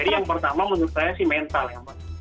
jadi yang pertama menurut saya sih mental ya